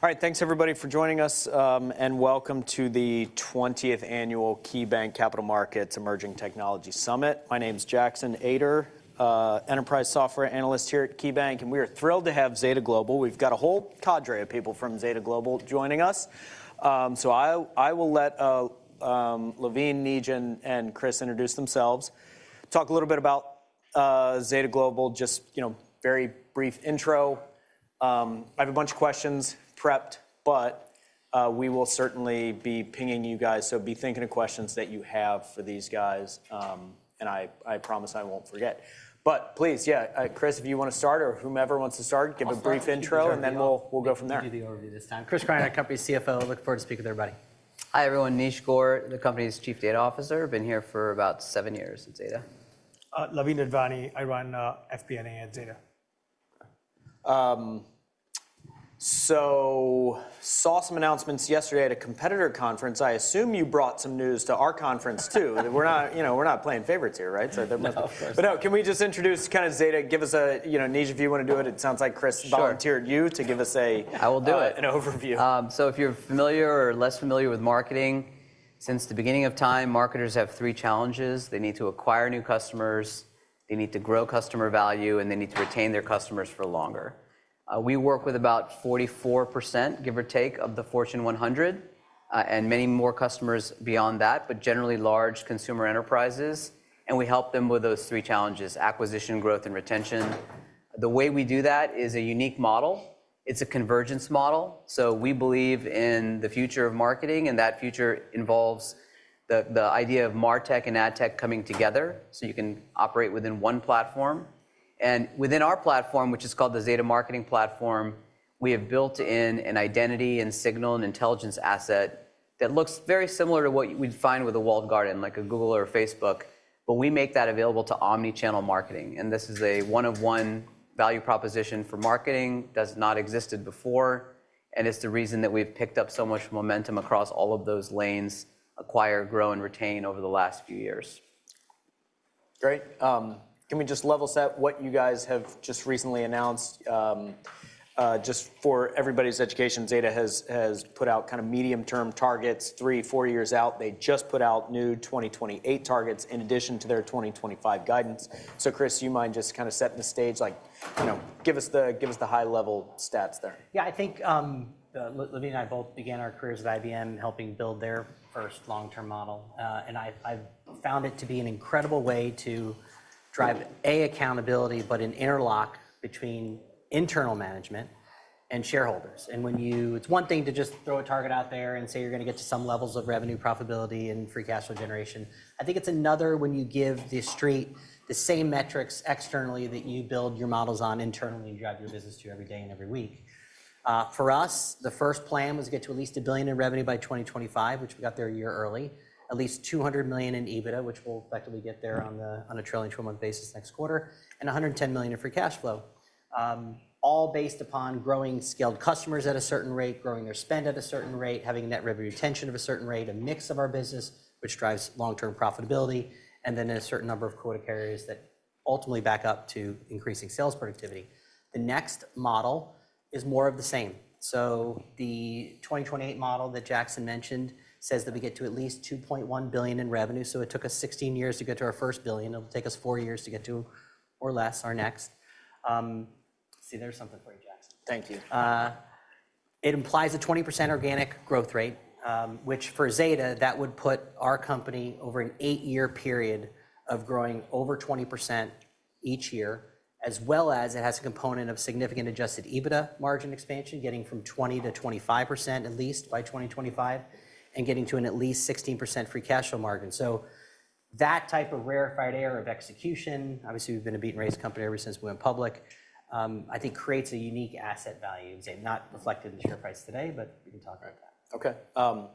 All right. Thanks, everybody, for joining us, and welcome to the 20th Annual KeyBanc Capital Markets Emerging Technology Summit. My name's Jackson Ader, Enterprise Software Analyst here at KeyBanc, and we are thrilled to have Zeta Global. We've got a whole cadre of people from Zeta Global joining us. So I will let Loveen, Neej, and Chris introduce themselves, talk a little bit about Zeta Global, just a very brief intro. I have a bunch of questions prepped, but we will certainly be pinging you guys, so be thinking of questions that you have for these guys, and I promise I won't forget. But please, yeah, Chris, if you want to start, or whomever wants to start, give a brief intro, and then we'll go from there. Chris Greiner, Company CFO, looking forward to speaking with everybody. Hi, everyone. Neej Gore, the Company's Chief Data Officer. I've been here for about seven years at Zeta. Loveen Advani. I run FP&A at Zeta. I saw some announcements yesterday at a competitor conference. I assume you brought some news to our conference, too. We're not playing favorites here, right? But can we just introduce kind of Zeta? Give us a, Neej, if you want to do it. It sounds like Chris volunteered you to give us an overview. I will do it. So if you're familiar or less familiar with marketing, since the beginning of time, marketers have three challenges. They need to acquire new customers, they need to grow customer value, and they need to retain their customers for longer. We work with about 44%, give or take, of the Fortune 100, and many more customers beyond that, but generally large consumer enterprises. And we help them with those three challenges: acquisition, growth, and retention. The way we do that is a unique model. It's a convergence model. So we believe in the future of marketing, and that future involves the idea of MarTech and AdTech coming together so you can operate within one platform. And within our platform, which is called the Zeta Marketing Platform, we have built in an identity and signal and intelligence asset that looks very similar to what we'd find with a walled garden, like a Google or a Facebook. But we make that available to omnichannel marketing. And this is a one-of-one value proposition for marketing that has not existed before. And it's the reason that we've picked up so much momentum across all of those lanes: acquire, grow, and retain over the last few years. Great. Can we just level set what you guys have just recently announced? Just for everybody's education, Zeta has put out kind of medium-term targets, three, four years out. They just put out new 2028 targets in addition to their 2025 guidance. So Chris, do you mind just kind of setting the stage? Give us the high-level stats there. Yeah, I think Loveen and I both began our careers at IBM helping build their first long-term model. And I've found it to be an incredible way to drive accountability, but an interlock between internal management and shareholders. And it's one thing to just throw a target out there and say you're going to get to some levels of revenue profitability and free cash flow generation. I think it's another when you give the street the same metrics externally that you build your models on internally and drive your business to every day and every week. For us, the first plan was to get to at least $1 billion in revenue by 2025, which we got there a year early, at least $200 million in EBITDA, which we'll effectively get there on a trailing 12-month basis next quarter, and $110 million in free cash flow, all based upon growing scaled customers at a certain rate, growing their spend at a certain rate, having net revenue retention of a certain rate, a mix of our business, which drives long-term profitability, and then a certain number of quota carriers that ultimately back up to increasing sales productivity. The next model is more of the same. So the 2028 model that Jackson mentioned says that we get to at least $2.1 billion in revenue. So it took us 16 years to get to our first $1 billion. It'll take us four years to get to, or less, our next $1 billion. See, there's something for you, Jackson. Thank you. It implies a 20% organic growth rate, which for Zeta, that would put our company over an eight-year period of growing over 20% each year, as well as it has a component of significant adjusted EBITDA margin expansion, getting from 20%-25% at least by 2025, and getting to an at least 16% free cash flow margin. So that type of rarefied era of execution, obviously, we've been a beat-and-raise company ever since we went public, I think creates a unique asset value, not reflected in the share price today, but we can talk about that. OK.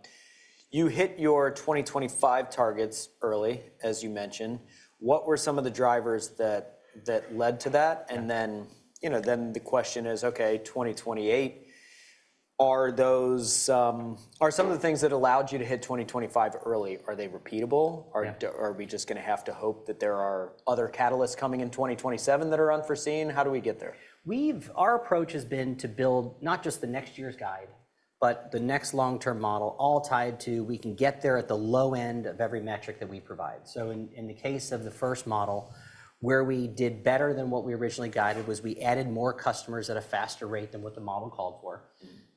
You hit your 2025 targets early, as you mentioned. What were some of the drivers that led to that, and then the question is, OK, 2028, are some of the things that allowed you to hit 2025 early, are they repeatable? Are we just going to have to hope that there are other catalysts coming in 2027 that are unforeseen? How do we get there? Our approach has been to build not just the next year's guide, but the next long-term model, all tied to we can get there at the low end of every metric that we provide. So in the case of the first model, where we did better than what we originally guided was we added more customers at a faster rate than what the model called for.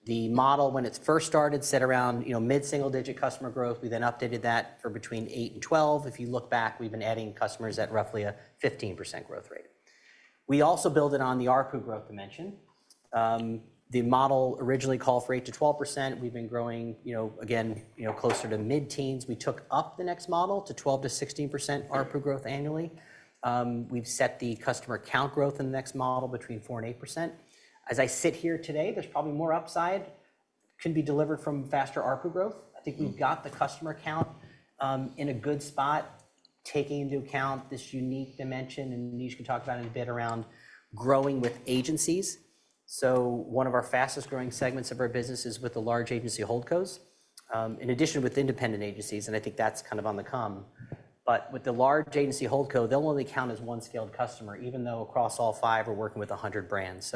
The model, when it first started, set around mid-single-digit customer growth. We then updated that for between 8% and 12%. If you look back, we've been adding customers at roughly a 15% growth rate. We also built it on the ARPU growth dimension. The model originally called for 8%-12%. We've been growing, again, closer to mid-teens. We took up the next model to 12%-16% ARPU growth annually. We've set the customer count growth in the next model between 4% and 8%. As I sit here today, there's probably more upside that can be delivered from faster ARPU growth. I think we've got the customer count in a good spot, taking into account this unique dimension, and Neej can talk about it in a bit around growing with agencies, so one of our fastest growing segments of our business is with the large agency holdcos, in addition with independent agencies, and I think that's kind of on the come, but with the large agency holdco, they'll only count as one scaled customer, even though across all five, we're working with 100 brands.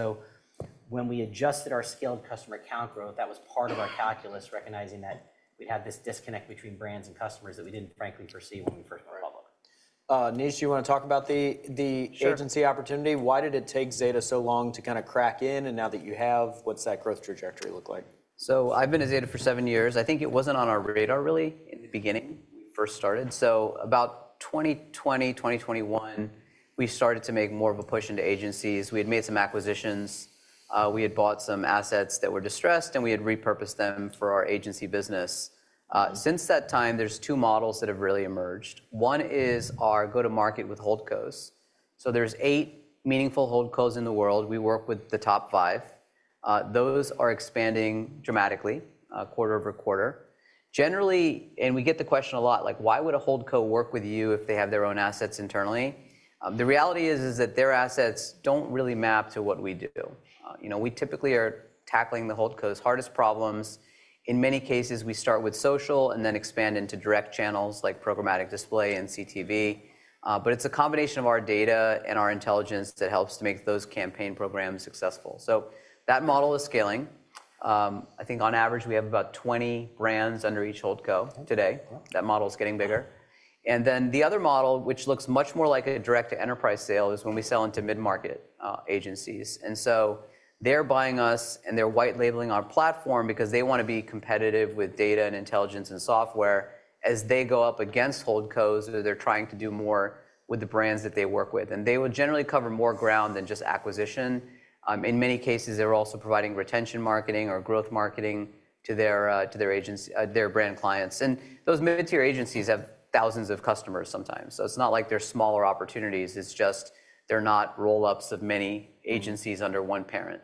When we adjusted our scaled customer count growth, that was part of our calculus, recognizing that we'd had this disconnect between brands and customers that we didn't frankly foresee when we first went public. Neej, do you want to talk about the agency opportunity? Why did it take Zeta so long to kind of crack in? And now that you have, what's that growth trajectory look like? So I've been at Zeta for seven years. I think it wasn't on our radar, really, in the beginning when we first started. So about 2020, 2021, we started to make more of a push into agencies. We had made some acquisitions. We had bought some assets that were distressed, and we had repurposed them for our agency business. Since that time, there's two models that have really emerged. One is our go-to-market with holdcos. So there's eight meaningful holdcos in the world. We work with the top five. Those are expanding dramatically quarter over quarter. Generally, and we get the question a lot, like, why would a holdco work with you if they have their own assets internally? The reality is that their assets don't really map to what we do. We typically are tackling the holdco's hardest problems. In many cases, we start with social and then expand into direct channels like programmatic display and CTV. But it's a combination of our data and our intelligence that helps to make those campaign programs successful, so that model is scaling. I think on average, we have about 20 brands under each holdco today. That model is getting bigger, and then the other model, which looks much more like a direct-to-enterprise sale, is when we sell into mid-market agencies, and so they're buying us, and they're white-labeling our platform because they want to be competitive with data and intelligence and software as they go up against holdcos, or they're trying to do more with the brands that they work with. And they would generally cover more ground than just acquisition. In many cases, they're also providing retention marketing or growth marketing to their brand clients. Those mid-tier agencies have thousands of customers sometimes. It's not like they're smaller opportunities. It's just they're not roll-ups of many agencies under one parent.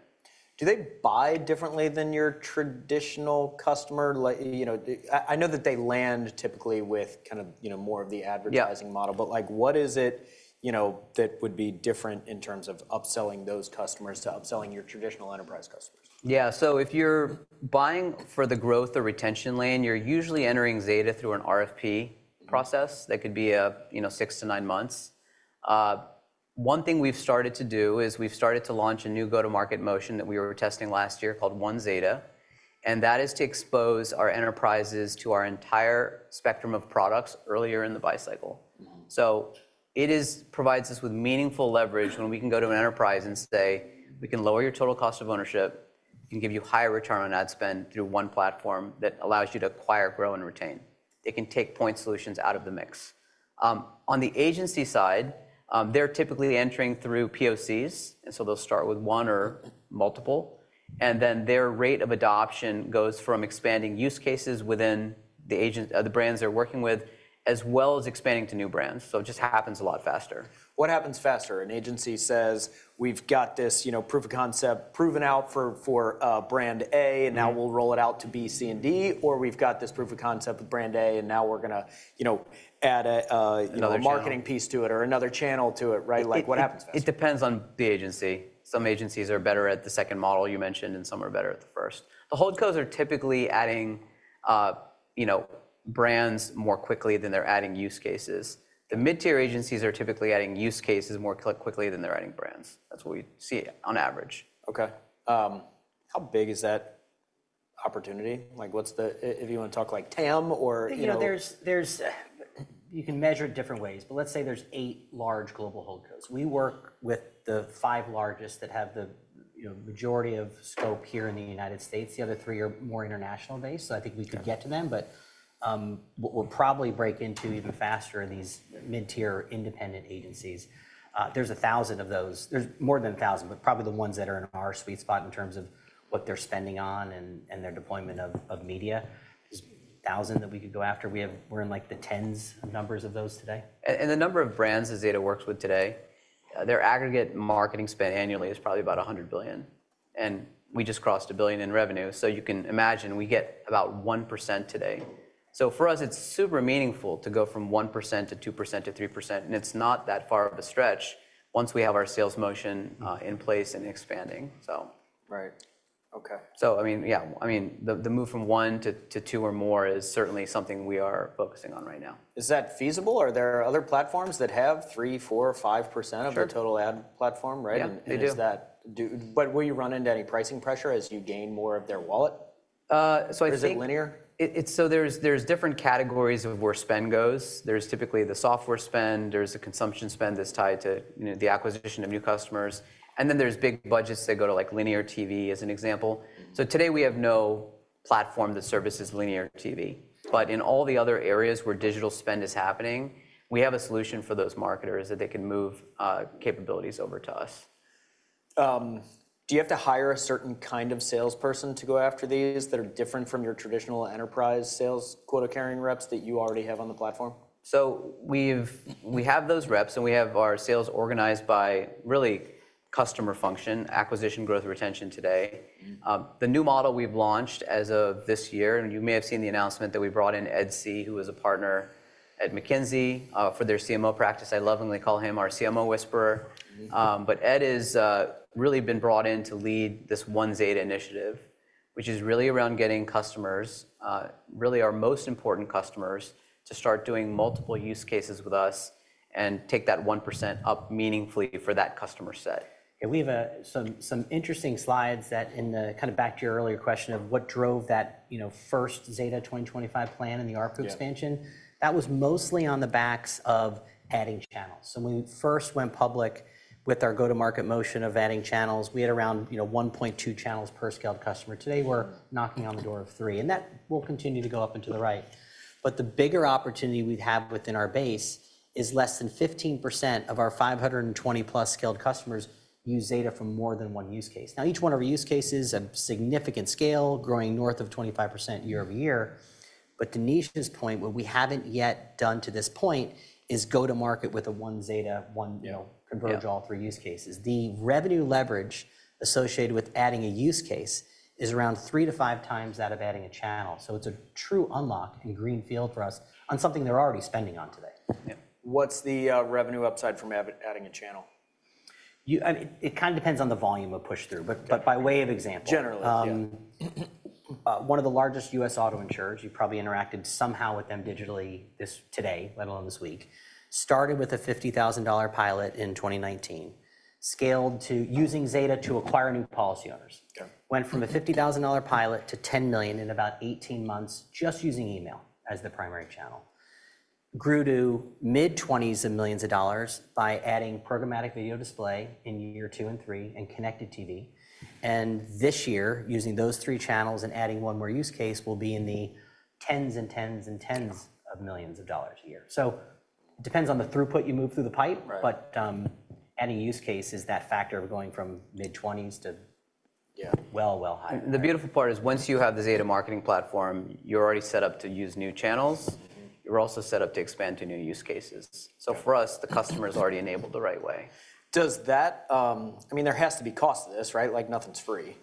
Do they buy differently than your traditional customer? I know that they land typically with kind of more of the advertising model. But what is it that would be different in terms of upselling those customers to upselling your traditional enterprise customers? Yeah, so if you're buying for the growth or retention lane, you're usually entering Zeta through an RFP process that could be six to nine months. One thing we've started to do is we've started to launch a new go-to-market motion that we were testing last year called One Zeta, and that is to expose our enterprises to our entire spectrum of products earlier in the buy cycle. So it provides us with meaningful leverage when we can go to an enterprise and say, we can lower your total cost of ownership, we can give you higher return on ad spend through one platform that allows you to acquire, grow, and retain. It can take point solutions out of the mix. On the agency side, they're typically entering through POCs, and so they'll start with one or multiple. And then their rate of adoption goes from expanding use cases within the brands they're working with, as well as expanding to new brands. So it just happens a lot faster. What happens faster? An agency says, we've got this proof of concept proven out for brand A, and now we'll roll it out to B, C, and D, or we've got this proof of concept with brand A, and now we're going to add a marketing piece to it or another channel to it, right? What happens faster? It depends on the agency. Some agencies are better at the second model you mentioned, and some are better at the first. The holdcos are typically adding brands more quickly than they're adding use cases. The mid-tier agencies are typically adding use cases more quickly than they're adding brands. That's what we see on average. OK. How big is that opportunity? If you want to talk like TAM or. You can measure it different ways. But let's say there's eight large global holdcos. We work with the five largest that have the majority of scope here in the United States. The other three are more international-based. So I think we could get to them. But we'll probably break into even faster in these mid-tier independent agencies. There's 1,000 of those. There's more than 1,000, but probably the ones that are in our sweet spot in terms of what they're spending on and their deployment of media is 1,000 that we could go after. We're in like the tens of numbers of those today. The number of brands that Zeta works with today, their aggregate marketing spend annually is probably about $100 billion. We just crossed $1 billion in revenue. You can imagine we get about 1% today. For us, it's super meaningful to go from 1% to 2% to 3%. It's not that far of a stretch once we have our sales motion in place and expanding. I mean, yeah, I mean the move from one to two or more is certainly something we are focusing on right now. Is that feasible? Are there other platforms that have 3%, 4%, 5% of their total ad platform? Right? Yeah, they do. But will you run into any pricing pressure as you gain more of their wallet? Or is it linear? There are different categories of where spend goes. There is typically the software spend. There is the consumption spend that is tied to the acquisition of new customers, and then there are big budgets that go to linear TV, as an example. Today, we have no platform that services linear TV. But in all the other areas where digital spend is happening, we have a solution for those marketers that they can move capabilities over to us. Do you have to hire a certain kind of salesperson to go after these that are different from your traditional enterprise sales quota carrying reps that you already have on the platform? So we have those reps, and we have our sales organized by really customer function, acquisition, growth, retention today. The new model we've launched as of this year, and you may have seen the announcement that we brought in Ed See, who is a partner at McKinsey for their CMO practice. I lovingly call him our CMO whisperer. But Ed has really been brought in to lead this One Zeta initiative, which is really around getting customers, really our most important customers, to start doing multiple use cases with us and take that 1% up meaningfully for that customer set. Yeah. We have some interesting slides that kind of back to your earlier question of what drove that first Zeta 2025 plan and the ARPU expansion. That was mostly on the backs of adding channels. So when we first went public with our go-to-market motion of adding channels, we had around 1.2 channels per scaled customer. Today, we're knocking on the door of three. And that will continue to go up and to the right. But the bigger opportunity we have within our base is less than 15% of our 520-plus scaled customers use Zeta for more than one use case. Now, each one of our use cases is a significant scale, growing north of 25% year over year. But to Neej's point, what we haven't yet done to this point is go-to-market with a One Zeta, one converged all three use cases. The revenue leverage associated with adding a use case is around three to five times that of adding a channel. So it's a true unlock and greenfield for us on something they're already spending on today. What's the revenue upside from adding a channel? It kind of depends on the volume of push-through, but by way of example. Generally, yeah. One of the largest U.S. auto insurers, you've probably interacted somehow with them digitally today, let alone this week, started with a $50,000 pilot in 2019, scaled to using Zeta to acquire new policy owners. Went from a $50,000 pilot to $10 million in about 18 months just using email as the primary channel. Grew to mid-20s of millions of dollars by adding programmatic video display in year two and three and connected TV, and this year, using those three channels and adding one more use case, will be in the tens and tens and tens of millions of dollars a year, so it depends on the throughput you move through the pipe, but adding use cases, that factor of going from mid-20s to well, well higher. The beautiful part is once you have the Zeta Marketing Platform, you're already set up to use new channels. You're also set up to expand to new use cases. So for us, the customer is already enabled the right way. I mean, there has to be cost to this, right? Nothing's free.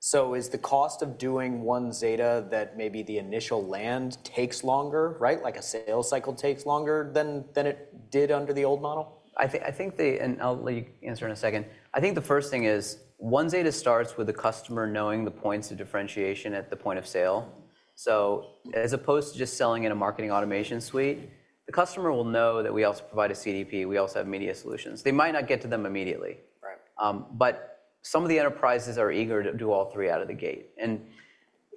So is the cost of doing One Zeta that maybe the initial land takes longer, like a sales cycle takes longer than it did under the old model? I think I'll outline an answer in a second. I think the first thing is One Zeta starts with the customer knowing the points of differentiation at the point of sale, so as opposed to just selling in a marketing automation suite, the customer will know that we also provide a CDP. We also have media solutions. They might not get to them immediately, but some of the enterprises are eager to do all three out of the gate, and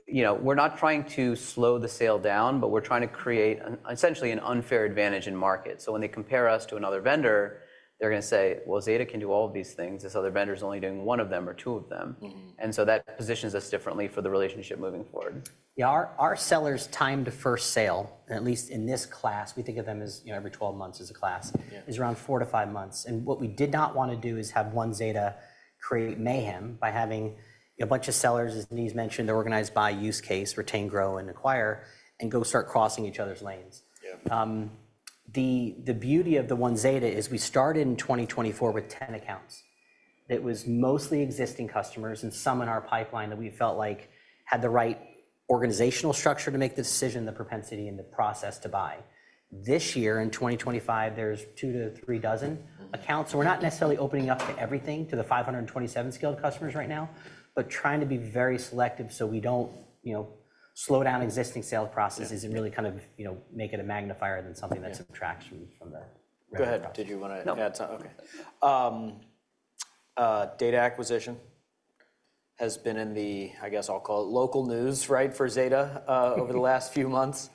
we're not trying to slow the sale down, but we're trying to create essentially an unfair advantage in market, so when they compare us to another vendor, they're going to say, well, Zeta can do all of these things. This other vendor is only doing one of them or two of them, and so that positions us differently for the relationship moving forward. Yeah. Our sellers' time to first sale, at least in this class, we think of them as every 12 months is a class, is around four to five months. And what we did not want to do is have One Zeta create mayhem by having a bunch of sellers, as Neej mentioned, they're organized by use case, retain, grow, and acquire, and go start crossing each other's lanes. The beauty of the One Zeta is we started in 2024 with 10 accounts. It was mostly existing customers and some in our pipeline that we felt like had the right organizational structure to make the decision, the propensity, and the process to buy. This year, in 2025, there's two to three dozen accounts. We're not necessarily opening up to everything to the 527 scaled customers right now, but trying to be very selective so we don't slow down existing sales processes and really kind of make it a magnifier than something that subtracts from the revenue. Go ahead. Did you want to add something? No. Data acquisition has been in the, I guess I'll call it, local news for Zeta over the last few months.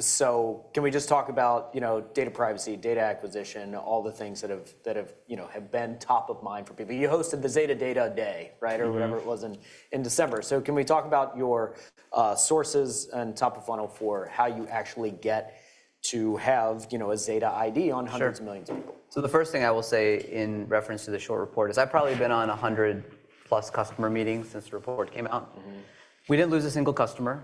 So can we just talk about data privacy, data acquisition, all the things that have been top of mind for people? You hosted the Zeta Data Day, right, or whatever it was in December. So can we talk about your sources and top of funnel for how you actually get to have a Zeta ID on hundreds of millions of people? Sure. So the first thing I will say in reference to the short report is I've probably been on 100-plus customer meetings since the report came out. We didn't lose a single customer.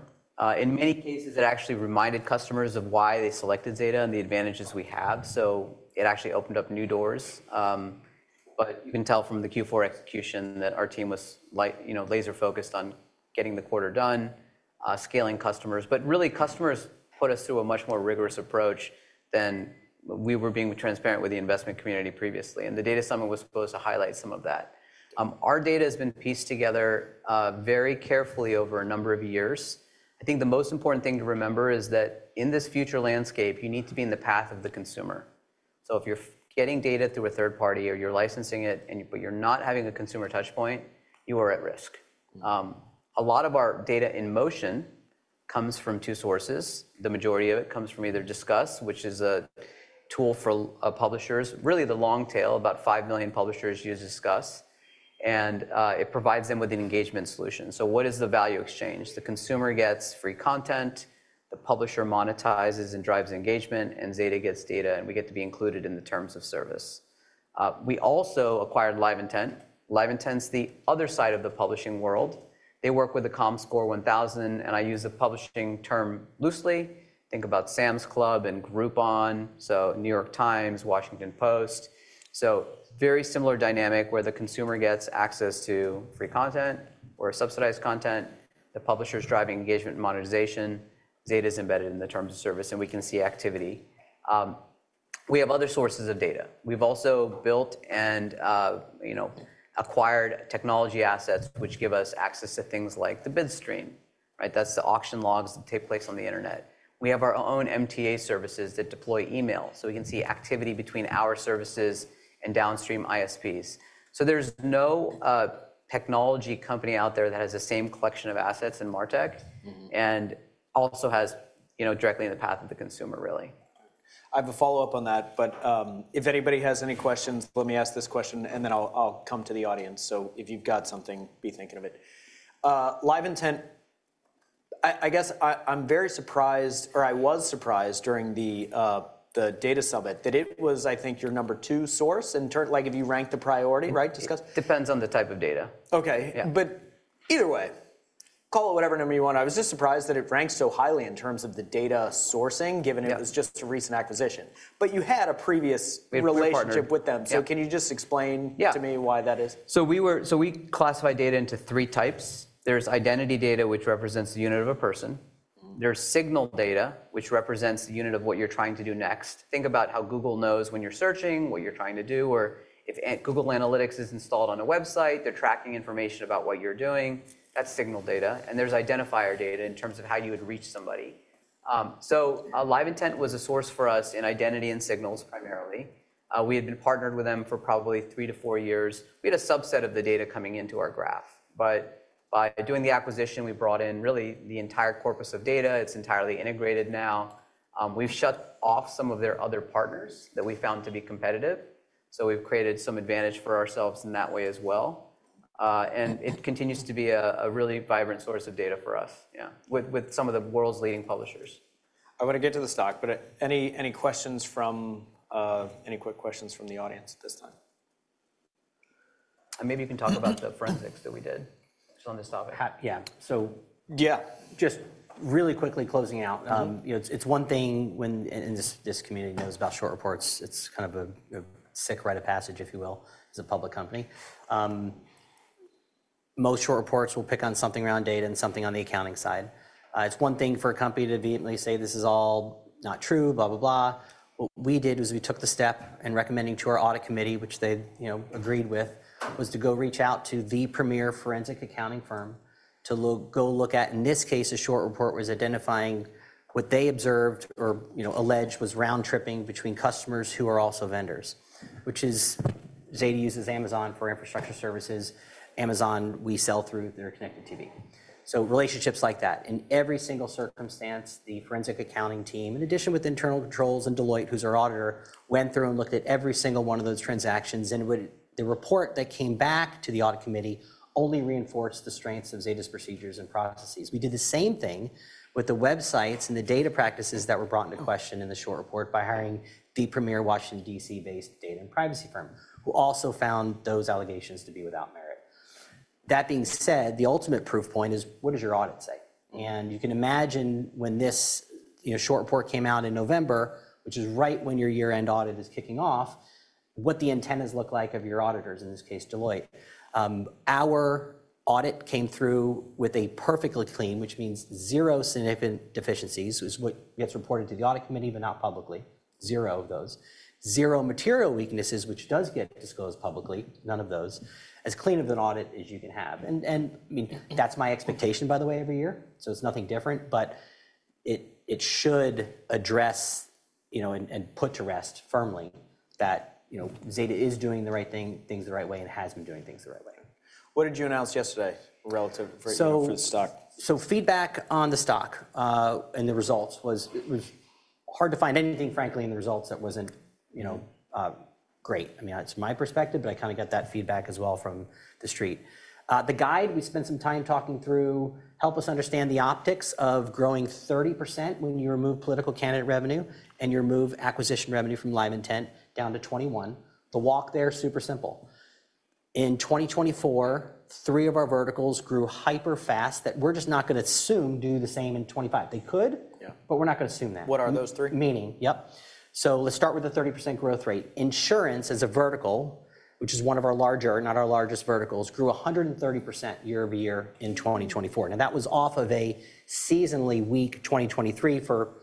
In many cases, it actually reminded customers of why they selected Zeta and the advantages we have. So it actually opened up new doors. But you can tell from the Q4 execution that our team was laser-focused on getting the quarter done, scaling customers. But really, customers put us through a much more rigorous approach than we were being transparent with the investment community previously. And the data summit was supposed to highlight some of that. Our data has been pieced together very carefully over a number of years. I think the most important thing to remember is that in this future landscape, you need to be in the path of the consumer. So if you're getting data through a third party or you're licensing it, but you're not having a consumer touchpoint, you are at risk. A lot of our data in motion comes from two sources. The majority of it comes from either Disqus, which is a tool for publishers, really the long tail, about 5 million publishers use Disqus. And it provides them with an engagement solution. So what is the value exchange? The consumer gets free content. The publisher monetizes and drives engagement. And Zeta gets data. And we get to be included in the terms of service. We also acquired LiveIntent. LiveIntent's the other side of the publishing world. They work with a Comscore 1,000. And I use the publishing term loosely. Think about Sam's Club and Groupon. So New York Times, Washington Post. So very similar dynamic where the consumer gets access to free content or subsidized content. The publisher's driving engagement and monetization. Zeta's embedded in the terms of service. And we can see activity. We have other sources of data. We've also built and acquired technology assets, which give us access to things like the bid stream. That's the auction logs that take place on the internet. We have our own MTA services that deploy email. So we can see activity between our services and downstream ISPs. So there's no technology company out there that has the same collection of assets in MarTech and also has directly in the path of the consumer, really. I have a follow-up on that, but if anybody has any questions, let me ask this question. And then I'll come to the audience, so if you've got something, be thinking of it. LiveIntent, I guess I'm very surprised, or I was surprised during the data summit, that it was, I think, your number two source, and if you ranked the priority, right? It depends on the type of data. OK. But either way, call it whatever number you want. I was just surprised that it ranked so highly in terms of the data sourcing, given it was just a recent acquisition. But you had a previous relationship with them. So can you just explain to me why that is? So we classify data into three types. There's identity data, which represents the unit of a person. There's signal data, which represents the unit of what you're trying to do next. Think about how Google knows when you're searching, what you're trying to do. Or if Google Analytics is installed on a website, they're tracking information about what you're doing. That's signal data. And there's identifier data in terms of how you would reach somebody. So LiveIntent was a source for us in identity and signals primarily. We had been partnered with them for probably three to four years. We had a subset of the data coming into our graph. But by doing the acquisition, we brought in really the entire corpus of data. It's entirely integrated now. We've shut off some of their other partners that we found to be competitive. So we've created some advantage for ourselves in that way as well. And it continues to be a really vibrant source of data for us, yeah, with some of the world's leading publishers. I want to get to the stock. But any quick questions from the audience at this time? Maybe you can talk about the forensics that we did on this topic. Yeah. So just really quickly closing out, it's one thing when this community knows about short reports. It's kind of a sick rite of passage, if you will, as a public company. Most short reports will pick on something around data and something on the accounting side. It's one thing for a company to vehemently say, this is all not true, blah, blah, blah. What we did was we took the step in recommending to our audit committee, which they agreed with, was to go reach out to the premier forensic accounting firm to go look at, in this case, a short report was identifying what they observed or alleged was round-tripping between customers who are also vendors, which is Zeta uses Amazon for infrastructure services. Amazon, we sell through their Connected TV. So relationships like that. In every single circumstance, the forensic accounting team, in addition with internal controls and Deloitte, who's our auditor, went through and looked at every single one of those transactions. And the report that came back to the audit committee only reinforced the strengths of Zeta's procedures and processes. We did the same thing with the websites and the data practices that were brought into question in the short report by hiring the premier Washington, D.C.-based data and privacy firm, who also found those allegations to be without merit. That being said, the ultimate proof point is, what does your audit say? And you can imagine when this short report came out in November, which is right when your year-end audit is kicking off, what the antennas look like of your auditors, in this case, Deloitte. Our audit came through with a perfectly clean, which means zero significant deficiencies, is what gets reported to the audit committee, but not publicly, zero of those. Zero material weaknesses, which does get disclosed publicly, none of those, as clean of an audit as you can have, and that's my expectation, by the way, every year, so it's nothing different, but it should address and put to rest firmly that Zeta is doing the right things the right way and has been doing things the right way. What did you announce yesterday relative to the stock? So feedback on the stock and the results was hard to find anything, frankly, in the results that wasn't great. I mean, it's my perspective, but I kind of got that feedback as well from the street. The guide we spent some time talking through helped us understand the optics of growing 30% when you remove political candidate revenue and you remove acquisition revenue from LiveIntent down to 21%. The walk there is super simple. In 2024, three of our verticals grew hyper fast that we're just not going to assume do the same in 2025. They could, but we're not going to assume that. What are those three? Meaning, yep. So let's start with the 30% growth rate. Insurance as a vertical, which is one of our larger, not our largest verticals, grew 130% year over year in 2024. Now, that was off of a seasonally weak 2023 for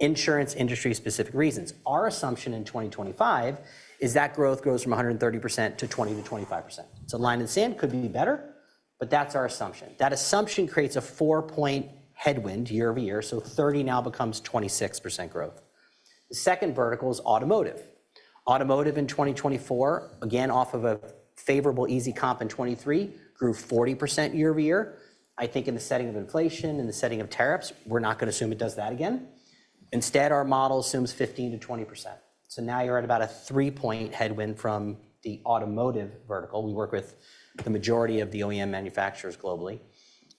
insurance industry-specific reasons. Our assumption in 2025 is that growth goes from 130% to 20%-25%. So line in the sand could be better, but that's our assumption. That assumption creates a four-point headwind year over year. So 30 now becomes 26% growth. The second vertical is automotive. Automotive in 2024, again, off of a favorable easy comp in 2023, grew 40% year over year. I think in the setting of inflation, in the setting of tariffs, we're not going to assume it does that again. Instead, our model assumes 15%-20%. So now you're at about a three-point headwind from the automotive vertical. We work with the majority of the OEM manufacturers globally,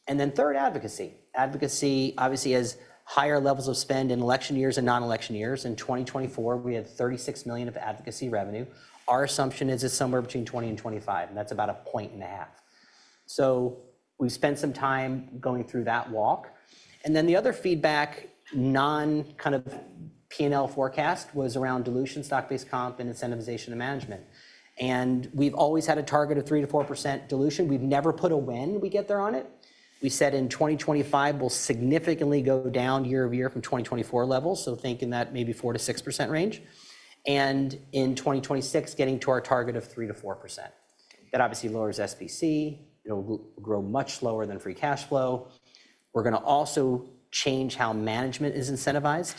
and then third, advocacy. Advocacy obviously has higher levels of spend in election years and non-election years. In 2024, we had $36 million of advocacy revenue. Our assumption is it's somewhere between 20% and 25%. And that's about a point and a half. So we've spent some time going through that walk, and then the other feedback, non-kind of P&L forecast, was around dilution, stock-based comp, and incentivization and management. And we've always had a target of 3% to 4% dilution. We've never put a when we get there on it. We said in 2025, we'll significantly go down year over year from 2024 levels. So think in that maybe 4% to 6% range, and in 2026, getting to our target of 3% to 4%. That obviously lowers SBC, grow much lower than free cash flow. We're going to also change how management is incentivized.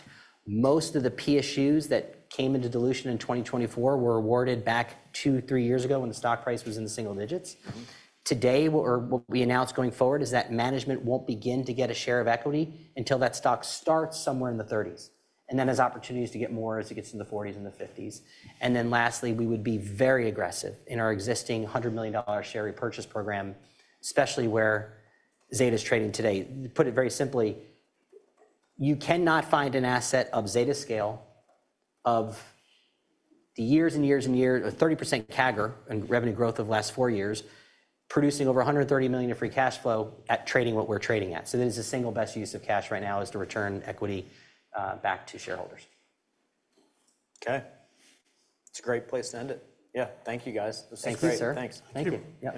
Most of the PSUs that came into dilution in 2024 were awarded back two, three years ago when the stock price was in the single digits. Today, what we announce going forward is that management won't begin to get a share of equity until that stock starts somewhere in the 30s. And then there's opportunities to get more as it gets in the 40s and the 50s. And then lastly, we would be very aggressive in our existing $100 million share repurchase program, especially where Zeta is trading today. Put it very simply, you cannot find an asset of Zeta scale of the years and years and years of 30% CAGR and revenue growth of the last four years producing over $130 million of free cash flow at trading what we're trading at. So that is the single best use of cash right now is to return equity back to shareholders. OK. It's a great place to end it. Yeah. Thank you, guys. Thank you, sir. Thanks. Thank you.